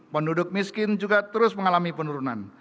penduduk miskin juga terus mengalami penurunan